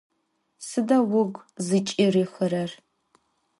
Sıda vugu zıç'ırihırer?